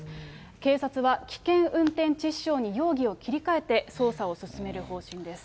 警察は、危険運転致死傷に容疑を切り替えて捜査を進める方針です。